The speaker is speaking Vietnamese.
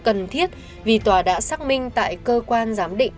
cần thiết vì tòa đã xác minh tại cơ quan giám định